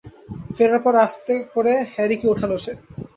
ফেরার পরে আস্তে করে হ্যারিকে ওঠালো সে।